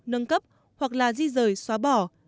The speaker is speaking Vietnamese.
nâng cấp hoặc là dí rơi xóa bỏ